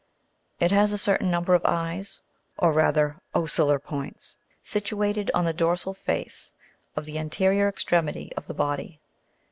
It has a certain number of eyes, or rather ocellar points, situated on the dorsal face of the anterior extremity of the body.